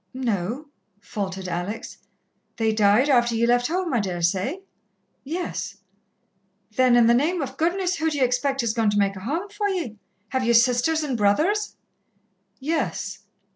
"No," faltered Alex. "They died after ye left home, I daresay?" "Yes." "Then, in the name of goodness, who do ye expect is going to make a home for ye? Have ye sisters and brothers?" "Yes."